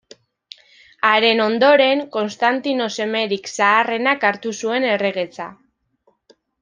Haren ondoren, Konstantino semerik zaharrenak hartu zuen erregetza.